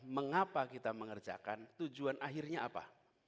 mengapa kita mengerjakan tujuan akhirnya apa